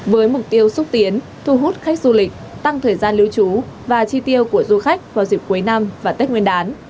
với mục tiêu xúc tiến thu hút khách du lịch tăng thời gian lưu trú và chi tiêu của du khách vào dịp cuối năm và tết nguyên đán